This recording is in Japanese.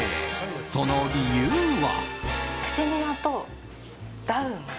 その理由は。